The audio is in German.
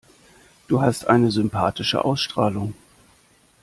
Du hast eine sympathische Ausstrahlung.